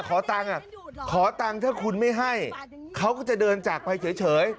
ขอตังค์ถ้าคุณไม่ให้เขาก็จะเดินจากแบบ่ายแชร์